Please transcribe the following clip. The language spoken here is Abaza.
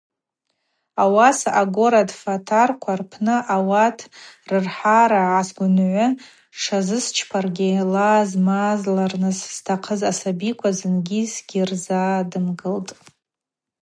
Ауаса агород фатарква рпны ауат рырхӏара гӏасгвынгӏвы тшысчпаргьи ла змазларныс зтахъыз асабиква зынгьи сгьырзадымгылтӏ.